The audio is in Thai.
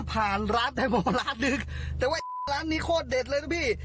ผ่านร้านร้านนึกแต่ว่าร้านนี้โคตรเด็ดเลยนะพี่